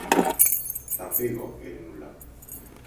Θα φύγω, Ειρηνούλα.